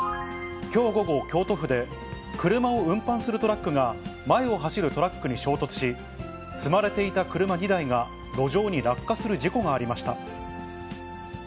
きょう午後、京都府で、車を運搬するトラックが前を走るトラックに衝突し、積まれていた車２台が路上に落下する事故がありました。